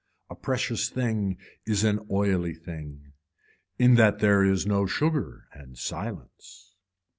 A precious thing is an oily thing. In that there is no sugar and silence.